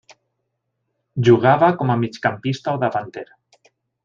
Jugava com a migcampista o davanter.